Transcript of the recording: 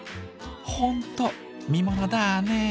「ほんと見ものだね！」。